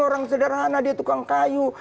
orang sederhana dia tukang kayu